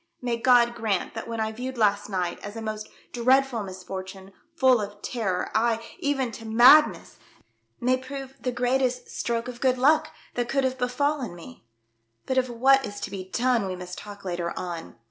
" May God grant that what I viewed last night as a most dreadful misfortune, full of terror, ay, even to madness, may prove the greatest 142 THE DEATH SHIP. Stroke of good luck that could have befallen me. But of what is to be done we must talk later on.